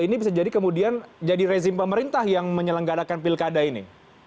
ini bisa jadi rezim pemerintah yang menyelenggarakan pilkada ini